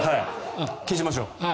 消しましょう。